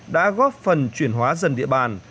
đã góp phần chuyển hóa dần địa bàn